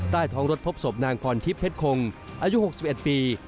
ใต้ท้องรถพบศพนางพรทิพย์เพชรคงอายุ๖๑ปี